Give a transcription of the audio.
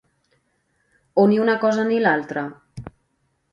o ni una cosa ni l'altra?